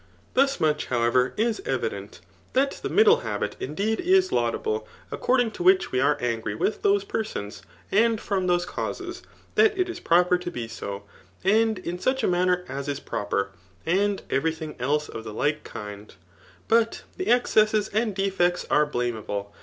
Thus much, howcfier, k evident^ diat the middle habit indeed is laudid)le, accord ing to which we are angry with those persons,'aiid frtnn •ihoie causes that it k proper to be so, and in such a rnjov aer as is proper^and every thing else of the like koid^ But theexcesses and defects are blameable.